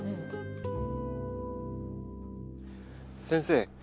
先生